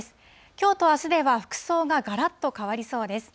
きょうとあすでは、服装ががらっと変わりそうです。